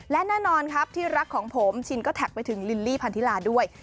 และแน่นอนครับที่รักของผมชินก็แท็กไปถึงลิลลี่พันธิลาด้วย